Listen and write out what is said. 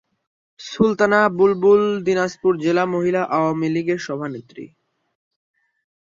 সুলতানা বুলবুল দিনাজপুর জেলা মহিলা আওয়ামীলীগের সভানেত্রী।